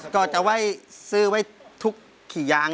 ร้องได้ให้ร้อง